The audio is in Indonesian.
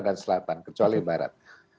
dan selatan kecuali barat